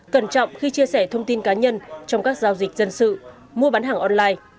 cẩn trọng khi chia sẻ thông tin cá nhân trong các giao dịch dân sự mua bán hàng online